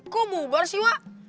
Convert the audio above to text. kok bubar sih wak